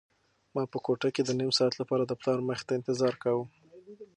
ما په کوټه کې د نيم ساعت لپاره د پلار مخې ته انتظار کاوه.